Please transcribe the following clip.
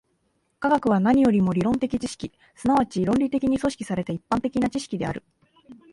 科学は何よりも理論的知識、即ち論理的に組織された一般的な知識である。